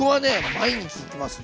毎日行きますね。